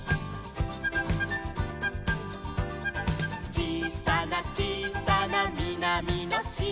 「ちいさなちいさなみなみのしまに」